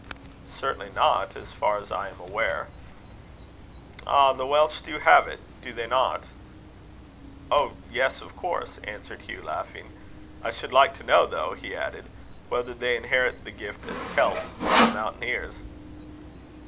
"Certainly not, as far as I am aware." "Ah! the Welch do have it, do they not?" "Oh! yes, of course," answered Hugh laughing. "I should like to know, though," he added, "whether they inherit the gift as Celts or as mountaineers."